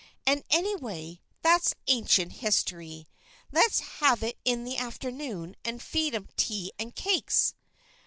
"And, anyway, that's ancient history. Let's have it in the afternoon and feed 'em tea and cakes."